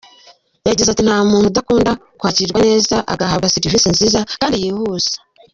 Yagize ati “Nta muntu udakunda kwakirwa neza agahabwa serivisi nziza kandi yihuse.